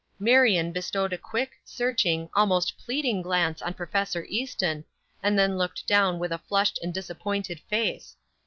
'" Marion bestowed a quick, searching, almost pleading glance on Prof. Easton, and then looked down with a flushed and disappointed face.